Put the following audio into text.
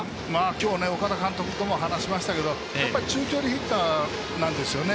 今日、岡田監督とも話しましたけど中距離ヒッターなんですよね。